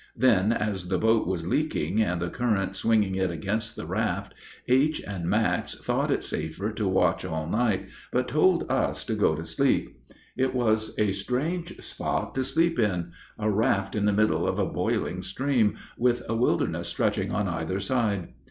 Then, as the boat was leaking and the current swinging it against the raft, H. and Max thought it safer to watch all night, but told us to go to sleep. It was a strange spot to sleep in a raft in the middle of a boiling stream, with a wilderness stretching on either side.